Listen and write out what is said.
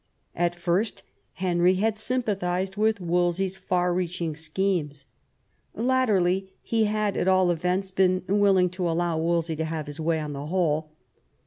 At first Henry had sympathised with Wolsey 's far reaching schemes. Latterly he had at all events been willing to allow Wolsey to have his own way on the whole.